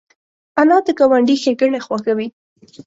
انا د ګاونډي ښېګڼه خوښوي